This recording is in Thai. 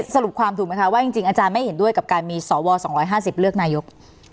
สรุปความถูกไหมคะว่าจริงอาจารย์ไม่เห็นด้วยกับการมีสว๒๕๐เลือกนายก